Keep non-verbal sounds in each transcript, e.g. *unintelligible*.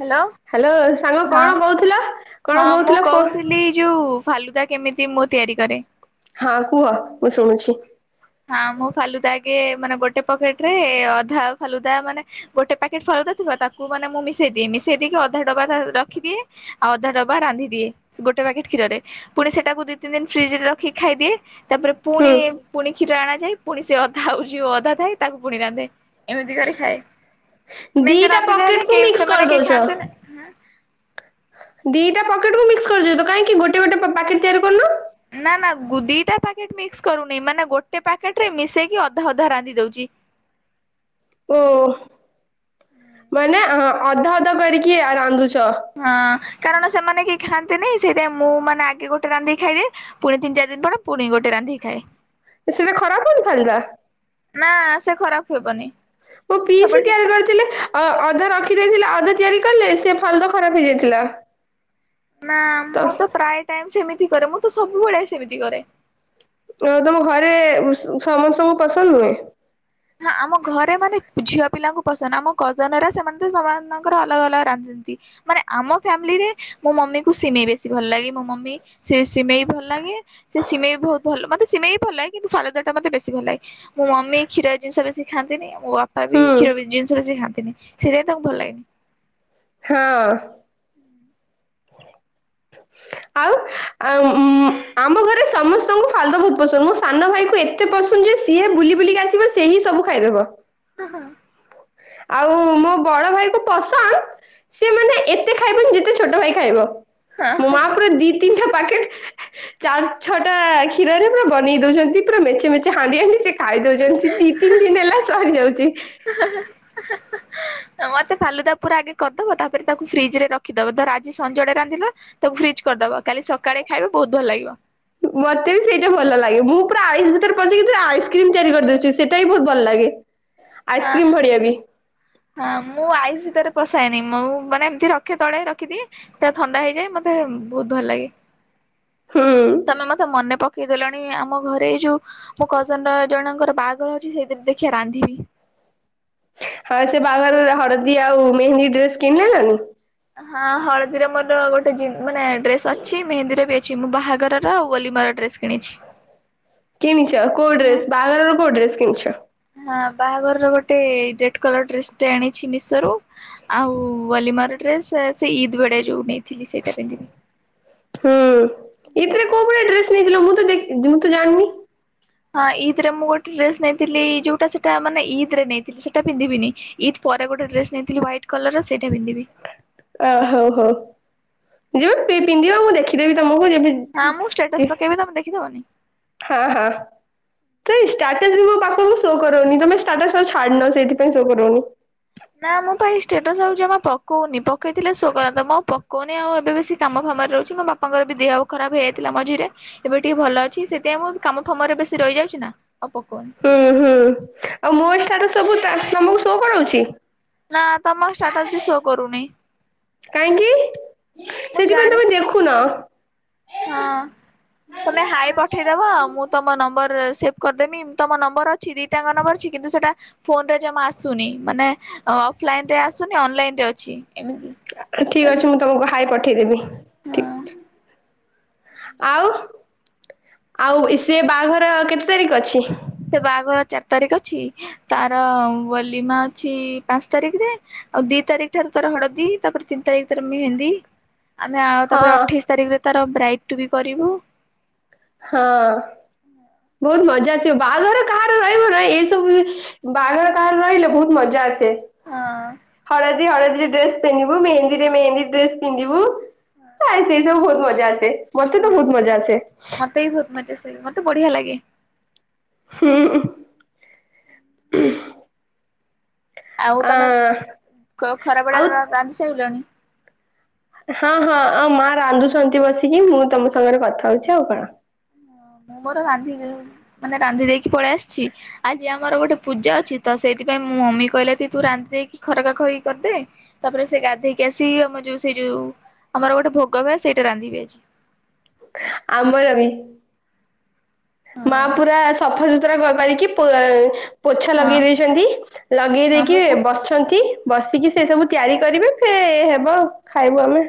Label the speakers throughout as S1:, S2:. S1: Hello
S2: hello. ସାଙ୍ଗ
S1: ହଁ
S2: କଣ କହୁଥିଲ।
S1: ହଁ
S2: କଣ
S1: ମୁଁ
S2: କହୁଥିଲ ଫୋ
S1: କହୁଥିଲି ଯୋଉ ଫାଲୁଦା କେମିତି ମୁଁ ତିଆରିକରେ।
S2: ହାଁ କୁହ ମୁଁ ଶୁଣୁଛି।
S1: ହାଁ ମୁଁ ଫାଲୁଦା ଆଗେ ମାନେ ଗୋଟେ ପକେଟରେ ଅଧା ଫାଲୁଦା ମାନେ ଗୋଟେ ପାକେଟ ଫାଲୁଦା ଥିବ ତା କୁ ମାନେ ମୁଁ ମିଶେଇ ଦିଏ ମିଶେଇ ଦେଇକି ଅଧା ଡବାତା ରଖି ଦିଏ ଆଉ ଅଧା ଡବା ରାନ୍ଧି ଦିଏ। ଗୋଟେ ପ୍ୟାକେଟ୍ କ୍ଷୀରରେ ପୁଣି ସେଟାକୁ ଦି, ତିନି ଦିନ ଫ୍ରିଜରେ ରଖି ଖାଇଦିଏ ତାପରେ
S2: ହୁଁ
S1: ପୁଣି ପୁଣି କ୍ଷୀର ଆଣା ଯାଇ ପୁଣି ସେ ଅଧା ଆଉ ଯୋଉ ଅଧା ଥାଏ ତାକୁ ପୁଣି ରାନ୍ଧେ ଏମିତି କରେ। ଥାଏ ମେଞ୍ଚେ
S2: ଦିଟା
S1: ରାନ୍ଧିଲେ ଏଲେ
S2: ପକେଟ କୁ
S1: କେଇ ସେମାନେ କେଇ ଖାଆନ୍ତିନି *unintelligible*
S2: ଦି ଟା ପକେଟ୍ କୁ ମିକ୍ସ କରୁଚି ତ କାଇଁକି ଗୋଟେ ଗୋଟେ ପ ପାକେଟ ତିଆରି କରୁନ।
S1: ନା ନା ଗୁ ଦିଟା ପାକେଟ ମିକ୍ସ କରୁନି ମାନେ ଗୋଟେ ପାକେଟ ରେ ମିଶେଇକି ଅଧା ଅଧା ରାନ୍ଧିଦଉଚି।
S2: ଓଃ ମାନେ ଆଁ ଅଧା ଅଧା କରିକି ରାନ୍ଧୁଛ।
S1: ହଁ କାରଣ ସେମାନେ କେଇ ଖାଆନ୍ତିନି ସେଇତି ଆଇଁ ମୁଁ ମାନେ ଆଗେ ଗୋଟେ ରାନ୍ଧିକି ଖାଇଦିଏ। ପୁଣି ତିନ୍ ଚାରି ଦିନ ପରେ ପୁଣି ଗୋଟେ ରାନ୍ଧିକି ଖାଏ।
S2: ସେଟା ଖରାପ ହଉନି ଫାଲୁଦା।
S1: ନା ସେ ଖରାପ ହେବନି।
S2: ମୋ ପିଇସି
S1: ସବୁବେଳେ
S2: ତିଆରି କରିଥିଲେ। ଅ ଅଧା ରଖି ଦେଇଥିଲା ଅଧେ ତିଆରି କଲେ ସେ ଫାଲୁଦ ଖରାପ ହେଇଯାଇଥିଲା।
S1: ନା ମୁଁ ତ ପ୍ରାଥ ଟାଇମ୍ ସେମିତି କରେ ମୁଁ ତ ସବୁବେଳେ ସେମିତି କରେ।
S2: ଅଁ ତମ ଘରେ ସମସ୍ତଙ୍କୁ ପସନ୍ଦ ନୁହେଁ।
S1: *unintelligible* ଆମ ଘରେ ମାନେ ଝିଅ ପିଲାଙ୍କୁ ପସନ୍ ଆମ କଜନ ଏ ରା ସେମାନେ ତ ସମସ୍ତଙ୍କର ଅଲଗା ଅଲଗା ରାନ୍ଧି ତି ମାନେ ଆମ ଫ୍ୟାମିଲିରେ ମୋ ମମି କୁ ସିମେଇ ବେଶୀ ଭଲ ଲାଗେ ମୋ ମମି ସେ ସିମେଇ ଭଲ ଲାଗେ। ସେ ସିମେଇ ବି ଭଉତ ଭଲ ମତେ ସିମେଇ ବି ଭଲ ଲାଗେ କିନ୍ତୁ ଫାଲୁଦା ଟି ମୋତେ ବେଶୀ ଭଲ ଲାଗେ ମୋ ମମି କ୍ଷୀରା ଜିନିଷ ବେଶି ଖାଆନ୍ତିିନି ମୋ ବାପା ବି
S2: ହୁଁ
S1: କ୍ଷୀର ଜିନିଷ ବେଶୀ ଖାଆନ୍ତିିନି ସେଦିପାଇଁ ତାଙ୍କୁ ଭଲ ଲାଗେନି।
S2: ହଁ। ଆଉ ଆ ଉମ୍ ଆମ ଘରେ ସମସ୍ତଙ୍କୁ ଫାଲୁଦା ବହୁତ ପସନ୍ଦ ମୋ ସାନ ଭାଇ କୁ ଏତେ ପସ୍ *unintelligible* ଯେ ସିଏ ବୁଲି ବୁଲି କା ଆସିବ ସେହି ସବୁ ଖାଇଦବ।
S1: ଅହ।
S2: ଆଉ ମୋ ବଡ ଭାଇ ପସନ୍ଦ ସିଏ ମାନେ ଏତେ ଖାଇବନି ଯେତେ ଛୋଟ ଭାଇ ଖାଇବ ମୋ ମା ପୁରା ଦି ତିନିଠା ପାକେଟ ଚାର୍ ଛଅଟା କ୍ଷୀରରେ ପୁରା ବନେଇ ଦଉଚନ୍ତି ପୁରା ମେଞ୍ଚେ ମେଞ୍ଚେ ହାଣ୍ଡିଏ ହାଣ୍ଡିଏ ସେ ଖାଇ ଦଉଚନ୍ତି ଦି, ତିନି ଦିନ ହେଲା ଚରିଯାଉଚି।
S1: ତ ମୋତେ ଫାଲୁଦା ପୁରା ଆଗେ କରିଦବ ତାପରେ ତାକୁ ଫ୍ରିଜ ରେ ରଖି ଦବ ଧର ଆଜି ସଞ୍ଜଡ଼ା ରାନ୍ଧିଲ ତାକୁ ଫ୍ରିଜ୍ କରିଦବ କାଲି ସକାଳେ ଖାଇବ ବହୁତ ଭଲ ଲାଗିବ।
S2: ମତେ ବି ସେଇଟା ଭଲ ଲାଗେ ମୁଁ ପୁରା ଆଇସ୍ ଭିତରେ ପଶେଇକି ପୁରା ଆଇସ୍କ୍ରିମ ତିଆରି କରିଦଉଚି। ସେଟା ବି ବହୁତ ଭଲ ଲାଗେ
S1: ହଁ
S2: ଆଇସ୍କ୍ରିମ୍ ଭଳିଆ ବି।
S1: ହଁ ମୁଁ ଆଇସ୍ ଭିତରେ ପସାଏନି ମୁଁ ମାନେ ଏମିତି ରଖେ ତଳେ ରଖିଦିଏ। ତ ଥଣ୍ଡା ହେଇଯାଏ ମତେ ବହୁତ ଭଲ ଲାଗେ
S2: ହୁଁ
S1: ତମେ ମତେ ମନେ ପ କେଇଦେଲଣି ଆମ ଘରେ ଏଇ ଯୋଉ ମୋ କଜନ ର ଜଣଙ୍କର ବାଘର ଅଛି ସେଇଥିରେ ଦେଖିିବା ରାନ୍ଧିବି।
S2: ହଁ ସେ ବାଘରରେ ହଳଦୀ ଆଉ ମେହେନ୍ଦୀ ଡ୍ରେସ କିଣି ଦେଲଣିି?
S1: ହଁ ହଳଦୀରେ ମୋର ଗୋଟେ ଜିନ୍ ମାନେ ଡ୍ରେସ ଅଛି ମେହେନ୍ଦୀରେ ବି ଅଛି ମୁଁ ବାହାଘରର ଆଉ ଓଲିମାର ଡ୍ରେସ୍ କିଣିଛି।
S2: କିଣିଚ କୋଉ
S1: ହଁ
S2: ଡ୍ରେସ୍ ବାହାଘର କୋଉ ଡ୍ରେସ୍ କିଣିଛ।
S1: ହଁ ବାହାଘର ର ଗୋଟେ ରେଡ୍ କଲର ଡ୍ରେସ ଟେ ଆଣିଛି ମିଶୋ ରୁ। ଆଉ ଓଲିମାର ଡ୍ରେସ ସେଇ ଇଦ୍ ବେଳେ ଯୋଉ ନେଇଥିଲି ସେଇଟା ପିନ୍ଧିବି।
S2: ହୁଁ ଇଦ୍ ରେ କୋଉ ଭଳିଆ ଡ୍ରେସ ନେଇଥିଲ ମୁଁ ତ ଦେ ମୁଁ ତ ଜାଣିନି।
S1: ହଁ ଇଦ୍ ରେ ମୁଁ ଗୋଟେ ଡ୍ରେସ ନେଇଥିଲି ଯୋଉଟା ସେଟା ମାନେ ଇଦ୍ ରେ ନେଇଥିଲି ସେଇଟା ପିନ୍ଧିବିନି। ଇଦ୍ ପରେ ଗୋଟେ ଡ୍ରେସ୍ ନେଇଥିଲି ହ୍ୱାଇଟ୍ କଲର ସେଇଟା ପିନ୍ଧିବି।
S2: ଅ ହଉ ହଉ ଯେବେ ପି ପିନ୍ଧିବ ମୁଁ ଦେଖିଦେବି ତମକୁ ଯେବେ
S1: ଆଁ ମୁଁ ଷ୍ଟେଟସ ପକେଇବି ତମେ ଦେଖିଦବନି?
S2: ହଁ ହଁ। ସେଇ ଷ୍ଟାଟସ୍ ମୋ ପାଖକୁ ଶୋ କରୁନି ତମେ ଷ୍ଟାଟସ୍ ଆଉ ଛାଡୁନ ସେଇଥିପାଇଁ ଶୋ କରୁନି।
S1: ନା ମୁଁ ପା ଏଇ ଷ୍ଟେଟସ ଆଉ ଯମା ପକଉନି ପକେଇଥିଲେ ଶୋ କରନ୍ତା ମୁଁ ଆଉ ପକ କୁହନି ଆଉ ଏବେ ବେଶି କାମ ଫାମରେ ରହୁଛି ମୋ ବାପାଙ୍କର ବି ଦେହ ଖରାପ ହେଇଯାଇଥିଲା ମଝିରେ ଏବେ ଟିକେ ଭଲ ଅଛି ସେ ତେ ବହୁତ୍ କାମ ଫାମ ରେ ବେଶି ରହିଯାଉଛି ନା ଆଉ ପକଉନି।
S2: ହୁଁ ହୁଁ ଆଉ ମୋ ଷ୍ଟାଟସ୍ ସବୁ ତା ତମକୁ ସୋ କରଉଛି?
S1: ନାଁ ତମ ଷ୍ଟାଟସ୍ ବି ସୋ କରୁନି।
S2: କାହିଁକି
S1: ମୁଁ
S2: ସେଥିପାଇଁ
S1: ଜାଣେ
S2: ତମେ ଦେଖୁନ।
S1: ହଁ। ତମେ ହାଏ ପଠେଇଦବ ମୁଁ ତମ ନମ୍ବର ରେ ସେଭ୍ କରିଦେବି ତମ ନମ୍ବର ଅ ଛି ଦିଟା ଙ୍କ ନମ୍ବର ଅଛି କିନ୍ତୁ ସେଟା ଫୋନରେ ଜମା ଆସୁନି ମାନେ ଅଫଲାଇନ ରେ ଆସୁନି ଅନଲାଇନରେ ଅଛି ଏମିତି।
S2: ଆ ଠିକ୍
S1: ହେଲା
S2: ଅଛି ମୁଁ ତମକୁ ହାଏ ପଠେଇଦେବି ଠିକ୍
S1: ହଁ
S2: ଅଛି। ଆଉ ଆଉ ଇ ସିଏ ବାହାଘର କେତେ ତାରିଖ ଅଛି?
S1: ସେ ବାହାଘର ଚାରି ତାରିଖ ଅଛି ତାର ବଲିମା ଅଛି ପାଞ୍ଚ ତାରିଖରେ। ଆଉ ଦି ତାରିଖ ଠାରୁ ତାର ହଳଦୀ ତାପରେ ତିନି ତାରିଖ ତର ମେହେନ୍ଦୀ। ଆମେ ଆଉ ତାପରେ
S2: ହଁ
S1: ଅଠେଇଶି ତାରିଖରେ ତାର ବ୍ରାଇଟ୍ ବି କରିବୁ।
S2: ହଁ ବହୁତ ମଜା ଆସିବ ବାହାଘର କାହାର ରହିବ ନା ଏଇସବୁ ରେ ବାହାଘର କାହାର ରହିଲେ ବହୁତ ମଜା ଆସେ।
S1: ହଁ
S2: ତେ ହଳଦୀ ହଳଦୀ ଡ୍ରେସ ପିନ୍ଧିବୁ ମେହେନ୍ଦୀରେ ମେହେନ୍ଦୀ ଡ୍ରେସ ପିନ୍ଧିବୁ।
S1: ହଁ।
S2: ନାଇଁ ସେଇ ସବୁ ବହୁତ ମଜା ଆସେ ମତେ ତ ଭହୁତ ମଜା ଆସେ।
S1: ମତେ ବି ଭହୁତ ମଜା ଆସେ ମତେ ବଢିଆ ଲାଗେ।
S2: ହୁଁ ଉଁ।
S1: ଆଉ ତମେ ଖ ଖରା ବଳେ
S2: ଆଉ
S1: ରା ରାନ୍ଧି ସାରିଲଣି?
S2: ହଁ ହଁ ଆଉ ମା ରାନ୍ଧୁଛନ୍ତି ବସିକି ମୁଁ ତମ ସାଙ୍ଗରେ କଥା ହଉଛି ଆଉ କଣ।
S1: ମୁଁ ମୋର ରାନ୍ଧିକିରୁ ମାନେ ରାନ୍ଧି ଦେଇକି ପଳେଇ ଆସିଛି ଆଜି ଆମର ଗୋଟେ ପୂଜା ଅଛି ତ ସେଇଥିପାଇଁ ମୁଁ ମମି କହିଲା କି ତୁ ରାନ୍ଧି ଦେଇକି ଖରକା ଖରକି କରିଦେ ତାପରେ ସେ ଗାଧେଇକି ଆସି ଆମର ଯୋଉ ସେଇ ଯୋଉ ଆମର ଗୋଟେ ଭୋଗ ହୁଏ ସେଇଟା ରାନ୍ଧିବି ଆଜି।
S2: ଆମର ବି।
S1: ହଁ
S2: ମା ପୁରା ସଫାସୁତୁରା କ କରିକି ପୁ ପୋଛା
S1: ହଁ
S2: ଲଗେଇ ଦେଇଛନ୍ତି ଲଗେଇ
S1: ହଁ
S2: ଦେଇକି
S1: ମୁଁ ପୁ
S2: ବସିଛନ୍ତି। ବସିକି ସେ ସବୁ ତିୟାରି କରିବେ ଫେ ହେବ ଖାଇବୁ ଆମେ।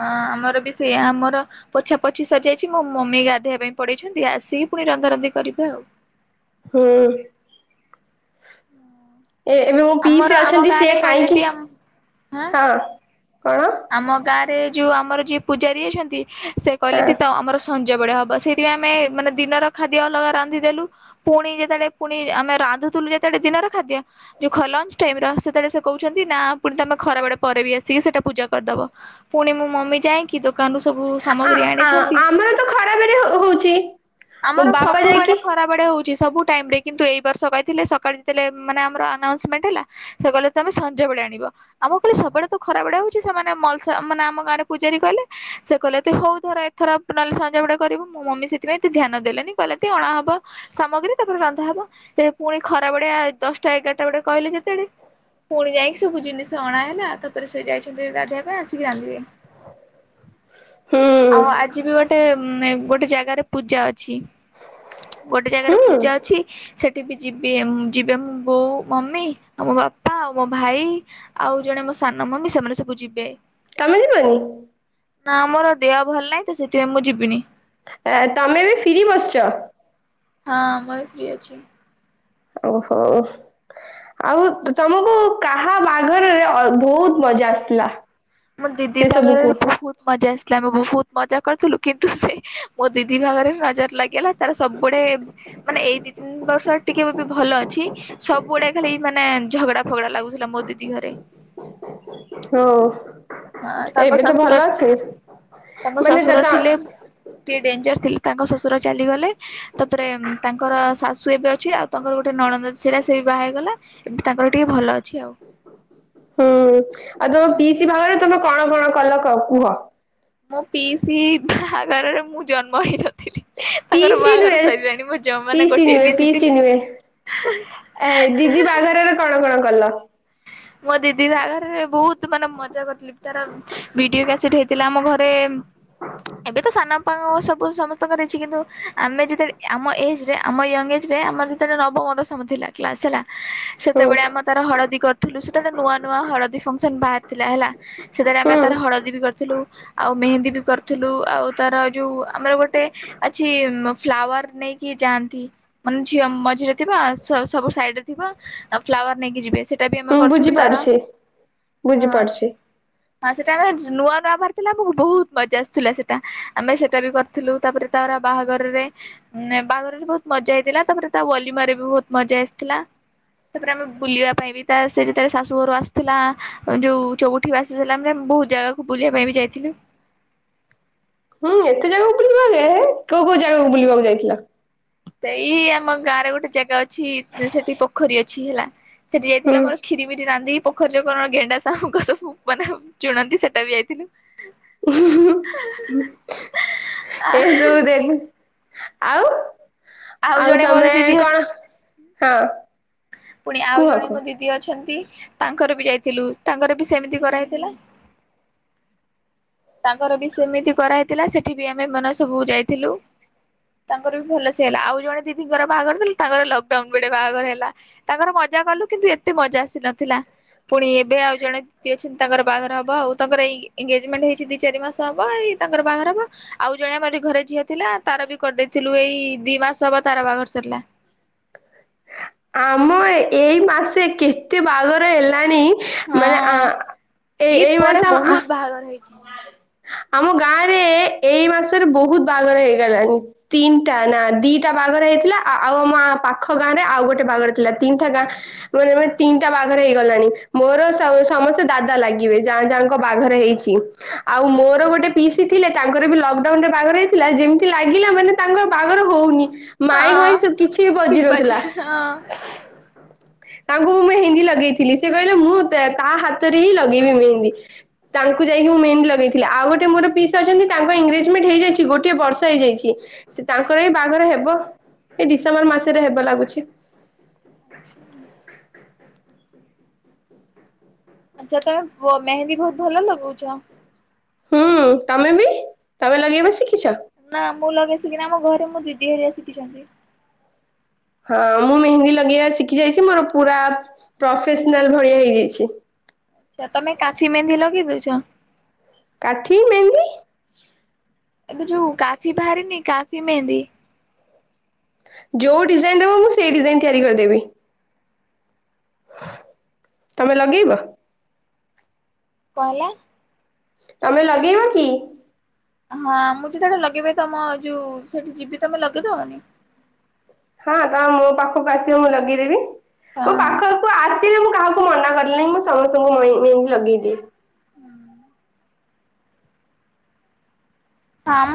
S1: ହଁ ଆମର ବି ସେଇଆ ଆମର ପୋଛା ପୋଛି ସରି ଯାଇଛି ମୋ ମମି ଗାଧୋଇବା ପାଇଁ ପଡେଇଛନ୍ତି ଆସିକି ପୁଣି ରନ୍ଧା ରନ୍ଧି କରିବେ ଆଉ।
S2: ହୁଁ। ଏ ଏବେ ମୋ
S1: ଆମର
S2: ପିଇସି
S1: ଆମ
S2: ଅଛନ୍ତି ସିଏ
S1: ଗାଁରେ କହିଲେ
S2: କାହିଁକି
S1: ତି ଆଁ
S2: ହଁ କଣ?
S1: ଆମ ଗାଁ ରେ ଯୋଉ ଆମର ଯିଏ ପୂଜାରୀ ଅଛନ୍ତି ସେ କହିଲେ
S2: ହଁ
S1: ତ ଆମର ସ ଞ୍ଜ ବଳେ ହବ ସେଇଥିପାଇଁ ଆମେ ମାନେ ଦିନର ଖାଦ୍ୟ ଅଲଗା ରାନ୍ଧିଦେଲୁ ପୁଣି ଯେତେବେଳେ ପୁଣି ଆମେ ରାନ୍ଧୁଥିଲୁ ଯେତେବେଳେ ଦିନର ଖାଦ୍ୟ ଯୋଉ ଖ ଲଞ୍ ଟାଇମ୍ ର ସେତେବେଳେ ସେ କହୁଛନ୍ତି ନା ପୁଣି ତମେ ଖରା ବେ ପରେ ବି ଆସିକି ସେଟା ପୂଜ କରିଦବ ପୁଣି ମୁଁ ମମି ଯାଇକି ଦୋକାନରୁୁ ସବୁ
S2: ଆ
S1: ସାମଗ୍ରୀ
S2: ଆ
S1: ଆଣିଛନ୍ତି
S2: ଆମର ତ ଖରାବେରେ ହଉଛି। ମୋ
S1: ଆମର
S2: ବାପା
S1: ସବୁ ବେଳେ
S2: ଯାଇକି
S1: ଖ ରାବେଳେ ହଉଛି ସବୁ ଟାଇମ଼ ରେ କିନ୍ତୁ ଏଇ ବର୍ଷ କହିଥିଲେ ସକାଳେ ଯେତେଳେ ମାନେ ଆମର ଆନାଉନ୍ସମେଣ୍ଟ ହେଲା ସେ କହଲେ ତମେ ସଞ୍ଜବେଳେ ଆଣିବ ଆ ମୁଁ କହିଲି ସବୁବେଳେ ତ ଖରା ବେଳେ ଆ ଉଛି ସେମାନେ ମଲସା ମାନେ ଆମ ଗାଁରେ ପୂଜାରୀ କିଲଲେ ସେ କହିଲା ତୁ ହଉ ଧର ଏଥର ନହେଲେ ସଞ୍ଜ ବୁଡେ କରିବୁ ମୋ ମମି ସେ ନାଁଇ ଏମିତି ଧ୍ୟାନ ଦେଲେନି କହିଲେ ତି ଅଣାହବ ସାମଗ୍ରୀ ତାପରେ ରନ୍ଧା ହବ ପୁଣି ଖରା ବଡିଆ ଦଶଟା ଏଗାରଟା ଗୋଟେ କହିଲେ ଯେତେବେଳେ ପୁଣି ଯାଇକି ସବୁ ଜିନିଷ ଅଣା ହେଲା ତାପରେ ସେ ଯାଇଛନ୍ତି ଗାଧେଇବା ପାଇଁ ଆସିକି ରାନ୍ଧିବେ।
S2: ହୁଁ
S1: ଆଉ ଆଜି ବି ଗୋଟେ ଗୋଟେ ଜାଗାରେ ପୂଜା ଅଛି ଗୋଟେ ଜାଗାରେ
S2: ହୁଁ
S1: ପୂଜା ଅଛି ସେ ଠିକି ଯିବି ଯିବେ ବୋଉ ମମି ଆଉ ମୋ ବାପା ଆଉ ମୋ ଭାଇ ଆଉ ଜଣେ ମୋ ସାନ ମମି ସେମାନେ ସବୁ ଯିବେ।
S2: ତମେ ଯିବନି?
S1: ନା ମୋର ଦେହ ଭଲ ନାହିଁ ତ ସେଥିପାଇଁ ମୁଁ ଯିବିନି।
S2: ଆ ତମେ ବି ଫ୍ରି ବସିଛ
S1: ହଁ ଆମର ଫ୍ରି ଅଛି।
S2: ଓହୋ। ଆଉ ତମକୁ କାହା ବାହାଘର ରେ ଅ ବହୁତ୍ ମଜା ଆସଥିଲା?
S1: ମୋର ଦିଦି ତାଗରେ ବହୁତ୍ ମଜା ଆସିଲା ଆମେ ବହୁତ୍ ମଜା କରିଥିଲୁ କିନ୍ତୁ ସେ ମୋ ଦିଦି ଭାଗରେ ନଜର ଲାଗି ଲା ତାର ସବୁ ଗୁଡେ ମାନେ ଏଇ ଦି ତିନି ବର୍ଷ ଟିକେ ବି ଭଲ ଅଛି ସବୁ ଗୁଡେ ଖାଲି ମାନେ ଝଗଡା ଫଗଡା ଲାଗୁଥିଲା ମୋ ଦିଦି ଘରେ।
S2: ହଉ
S1: ହଁ ତାଙ୍କ
S2: ଏବେ ତ
S1: ଶ୍ୱଶୁର
S2: ଭଲ ଅଛି
S1: ତାଙ୍କ
S2: ମାନେ
S1: ଶ୍ୱଶୁର
S2: ଦେଖ
S1: ଥିଲେ ଟିକେ ଡେଞ୍ଜର ଥିଲେ ତାଙ୍କ ଶ୍ୱଶୁର ଚାଲିଗଲେ ତାପରେ ତାଙ୍କର ଶାଶୁ ଏବେ ଅଛି ଆଉ ତାଙ୍କର ଗୋଟେ ନଣନ୍ଦ ଅଛି ସେଟା ସେ ବି ବାହା ହେଇଗଲା ଏବେ ତାଙ୍କର ଟିକେ ଭଲ ଅଛି ଆଉ।
S2: ହୁଁ ଆଉ ତମ ପିସି ଭାଗରେ ତମେ କଣ କଣ କଲ କହ କୁହ?
S1: ମୋ ପିଶି ବାହାଘରରେ ମୁଁ ଜନ୍ମ ହେଇନଥିଲି। ତାଙ୍କର
S2: ପିଇସି
S1: ବାହାଘର
S2: ନୁହେଁ
S1: ସରିଲାଣି ମୋ ଜଅ ମାନେ
S2: ପିଇସି
S1: ଗୋଟିଏ
S2: ନୁହେଁ
S1: ପିଶି
S2: ପିଇସି
S1: ଥିଲେ।
S2: ନୁହେଁ। ଏ ଦିଦି
S1: *inaudible*
S2: ବାହାଘରରେ କଣ କଣ କଲ?
S1: ମୋ ଦିଦି ବାହାଘରେ ବହୁତ୍ ମାନେ ମଜା କରିଥିଲୁ ତାର ଭିଡିଓ କ୍ୟାସେଟ୍ ହେଇଥିଲା ଆମ ଘ *unintelligible* ଏବେ ତ ସାନଆପାଙ୍କ ସବୁ ସମସ୍ତଙ୍କ ଦେଇଛି କିନ୍ତୁ ଆମେ ଯେତେବେଳେ ଆମ ଏଜ୍ ରେ ଆମ ୟଙ୍ଗ୍ ଏଜ୍ ରେ ଆମର ଯେତେବେଳେ ନବମ ଦଶମ ଥିଲା କ୍ଲାସ୍ ହେଲା
S2: ହୁଁ
S1: ସେତବେଳେ ଆମ ତାର ହଳଦୀ କ ଥିଲୁ ସେତେବେଳେ ନୂଆ ନୂଆ ହଳଦୀ ଫଙ୍କସନ୍ ବାହାରିଥିଲା ହେଲା ସେତେଳେ
S2: ହୁଁ
S1: ଆମେ ତାର ହଳଦୀ ବି କରିଥିଲୁ ଆଉ ମେହେନ୍ଦୀ ବି କରିଥିଲୁ ଆଉ ତାର ଯୋଉ ଆମର ଗୋଟେ ଅଛି ମ ଫ୍ଲାୱାର୍ ନେଇକି ଯାଆନ୍ତି ମାନେ ଝିଅ ମଝିରେ ଥିବା ସବୁ ସାଇଡ୍ ରେ ଥିବ ଫ୍ଲାୱାର୍ ନେଇକି ଯିବେ ସେ *inaudible*
S2: ହୁଁ ବୁଝିପାରୁଛି ବୁଝିପାରୁଛି।
S1: ହଁ ସେଟା ଆମେ *inaudible* ନୂଆ ନୂଆ ବାହାରି ଥିଲା ଆମକୁ ବହୁତ୍ ମଜା ଆସିୁଥିଲା ସେଟା ଆମେ ସେଟା ବି କରି ଥିଲୁ ତା ପରେ ତାର ବାହାଘରରେ ମାନେ ବାହାଘରରେ ବହୁତ୍ ମଜା ହେଇଥିଲା ତାପରେ ତା ୱଲିମାର୍ ରେ ବି ବହୁତ୍ ମଜା ଆସିଥିଲା ତାପରେ ଆମେ ବୁଲିବା ପାଇଁ ବି ତା ସେ ଯେତେବେଳେ ଶାଶୁ ଘରୁ ଆସୁଥିଲା ଯୋଉ ଚଉୁଠି ବାସି ଥିଲାମାନେ ବହୁତ ଜାଗାକୁ ବୁଲିବା ପାଇଁ ବି ଯାଇଥିଲୁ।
S2: ହୁଁ ଏତେ ଜାଗାକୁ ବୁଲିବ ଆା କୋଉ କୋଉ ଜାଗାକୁ ବୁଲିବାକୁ ଯାଇଥିଲା।
S1: ସେଇ ଆମ ଗାଁରେ ଗୋଟେ ଜାଗା ଅଛି ସେଠି ପୋଖରୀ ଅଛି ହେଲା। ସେଠି
S2: ହୁଁ
S1: ଯାଇଥିଲା ଆମରଖୀରିଭିରି ରାନ୍ଧି। ପଖରି ରୁ ଗେଣ୍ଡା ଶାମୁକା ସବୁ ମାନେ ସେଟା ବି ଯାଇଥିଲୁ
S2: ଉଁ ହୁଁ ଏ ତୁ ଦେଖେ ଆଉ ଆଉ
S1: ଜଣେ ମୋର
S2: ତମେ
S1: ଦିଦି ହଉଛନ୍ତି
S2: କଣ ହଁ
S1: ପୁଣି ଆଉ
S2: କୁହ
S1: ଜଣେ
S2: କୁହ
S1: ମୋ ଦିଦି ଅଛନ୍ତି ତାଙ୍କର ବି ଯାଇଥିଲୁ ତାଙ୍କର ବି ସେମିତି କରାହେଇଥିଲା। ତାଙ୍କର ବି ସେମିତି କରାହେଇଥିଲା ସେଠି ବି ଆମେ ମାନ ସବୁ ଯାଇଥିଲୁ। ତାଙ୍କର ବି ଭଲସେଲ୍ ଆଉ ଜଣେ ଦିଦିଙ୍କର ବାହାଘର ଥିଲା ତାଙ୍କର ଲକଡାଉନ ବିଡେ ବାହାଘର ହେଲା। ତାଙ୍କର ମଜା କଲୁ କିନ୍ତୁ ଏତେ ମଜା ଆସି ନଥିଲା। ପୁଣି ଏବେ ଆଉ ଜଣେ ଦିଦି ଅଛନ୍ତି ତାଙ୍କର ବାହାଘ ହବ ଆଉ ତାଙ୍କରଇ ଏନଗେଜମେଣ୍ଟ ହେ ତିନି ଚାରି ମାସ ହବ ଏଇ ତାଙ୍କର ବାହାଘ ହବ। ଆଉ ଜଣେ ଆମର ଘରେ ଝିଅ ଥିଲା ତାର ବି କରିଦେଇଥିଲୁ ଏଇ ଦି ମାସ ହବ ତାର ବାହାଘର ସରିଲା।
S2: ଆମ ଏଇ ମାସେ କେତେ ବାଗର ହେଲାଣି। ମାନେ
S1: ହଁ
S2: ଆଁ
S1: ଇଦ୍
S2: ଏଇ
S1: ପରେ
S2: ମାସ ଆଁ
S1: ବହୁତ ବାହାଘର ହେଇଛି
S2: ଆମ ଗାଁରେ ଏଇ ମାସରେ ବହୁତ ବାହାଘର ହେଇଗଲାଣି। ତିନ୍ ଟା ନା ଦିଟା ବାଘରେ ହେଇଥିଲା ଆଉ ଆମ ପାଖ ଗାଁ ରେ ଆଉ ଗୋଟେ। ବାଗର ଥିଲା ତିନିଟା ଗାଁ। ମାନେ ତିନିଟା ବାହାଘର ହେଇଗଲାଣି ମୋର ସମସ୍ତେ ଦାଦା ଲାଗିବେ ଯା ଯାହାଙ୍କ ବାହାଘର ହେଇଛି। ଆଉ ମୋର ଗୋଟେ ପିଇସି ଥିଲା ତାଙ୍କର ବି ଲକଡାଉନ ରେ ବାହାଘର ହେଇଥିଲା ଯେମିତି ଲାଗିଲା ମାନେ। ତାଙ୍କର ବାହାରେ ହଉନି ମାଇ ଭାଇ
S1: ହଁ।
S2: ସବୁ କିଛି ବି ବଜି
S1: ବାଜା
S2: ନଥିଲା।
S1: ହଁ
S2: *unintelligible* ତାଙ୍କୁ ମୁଁ ମେହେନ୍ଦୀ ଲଗେଇଥିଲି ସେ କହିଲେ ମୁଁ ତା ହାତରେ ହିଁ ଲଗେଇବି ମେହେନ୍ଦୀ। ତାଙ୍କୁ ଯାଇକି ମୁଁ ମେହେନ୍ଦୀ ଲଗେଇଥିଲି ଆଉ ଗୋଟେ ମୋର ପିଶା ଅଛନ୍ତି ତାଙ୍କ ଏଙ୍ଗେଜମେଣ୍ଟ ହେଇଯାଇଛି ଗୋଟଏ ବର୍ଷ ହେଇଯାଇଛି। ସେ ତାଙ୍କର ଏ ବାଘରେ ହେବ ଏଇ ଡିସେମ୍ବର ମାସରେ ହେବ ଲାଗୁଛି।
S1: ଆଚ୍ଛା ଆଚ୍ଛା ତମେ ବ ମେହେନ୍ଦୀ ବହୁତ ଭଲ ଲଗାଉଛ
S2: ହୁଁ ତମେ ବି ତମେ ଲଗେଇବା ଶିଖିଛ
S1: ନା ମୁଁ ଲଗେଇ ଶିଖି ଆମ ଘରେ ମୁଁ ଦିଦି ହେରିଆ ଶିଖିଛନ୍ତି
S2: ହଁ ମୁଁ ମେହେନ୍ଦୀ ଲଗେଇବା ଶିଖି ଯାଇଛି ମୋର ପୁରା ପ୍ରଫେସନାଲ ଭଳିଆ ହେଇଯାଇଛି
S1: ଆଛା ତମ କାଠି ମେନ୍ଦି ଲଗେଇ ଦଉଚ
S2: କାଠି ମେନ୍ଦି
S1: ଏବେ ଯଉଁ କାଫି ଭାରି ନି କାଫି ମେହନ୍ଦି
S2: ଯୋଉ ଡିଜାଇନ୍ ଦେବ ମୁଁ ସେଇ ଡିଜାଇନ୍ ତିଆରି କରିଦେବି ତମେ ଲଗେଇବ
S1: କହ ହେଲା
S2: ତମେ ଲଗେଇବ କି
S1: ହଁ ମୁଁ ଯେତେବେଟେ ଲଗେଇବି ତମ ଯୋଉ ସେଠି ଯିବି ତମେ ଲଗେଇଦବନି
S2: ହଁ ତ ମୋ ପାଖକୁ ଆସିବ ମୁଁ ଲଗେଇଦେବି ମୋ
S1: ହଁ।
S2: ପାଖ ଆସିଲେ ମୁଁ କାହାକୁ ମନା କଲିି ମୁଁ ସମସ୍ତଙ୍କୁ ମେ ମେନ୍ଦି ଲଗେଇଦିଏ
S1: ହୁଁ *unintelligible* ହଁ ମ